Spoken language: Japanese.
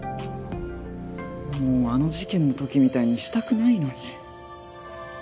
もうあの事件のときみたいにしたくないのに。